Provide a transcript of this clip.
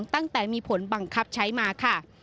ตั้งแต่มีผลบังคับใช้มาค่ะ